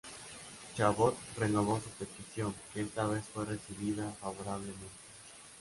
Chabot renovó su petición, que esta vez fue recibida favorablemente.